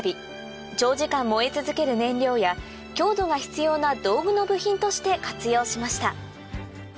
長時間燃え続ける燃料や強度が必要な道具の部品として活用しました